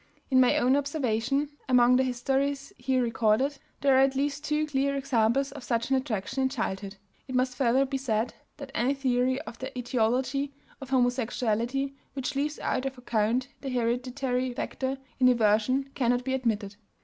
In my own observation, among the Histories here recorded, there are at least two clear examples of such an attraction in childhood. It must further be said that any theory of the etiology of homosexuality which leaves out of account the hereditary factor in inversion cannot be admitted.